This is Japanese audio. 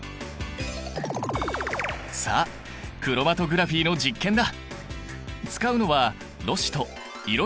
さあクロマトグラフィーの実験だ！